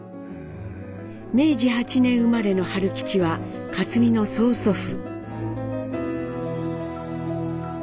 明治８年生まれの春吉は克実の曽祖父。